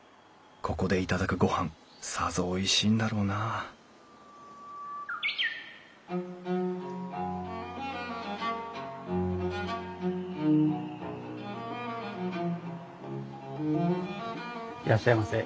ここで頂くごはんさぞおいしいんだろうないらっしゃいませ。